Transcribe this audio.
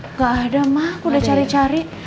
nggak ada mah aku udah cari cari